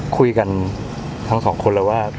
คุยกันทั้งสองคนเลยว่า